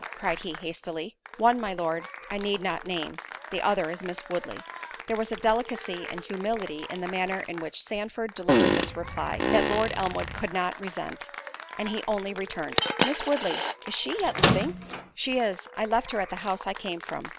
cried he hastily. "One, my Lord, I need not name—the other is Miss Woodley." There was a delicacy and humility in the manner in which Sandford delivered this reply, that Lord Elmwood could not resent, and he only returned, "Miss Woodley—is she yet living?" "She is—I left her at the house I came from."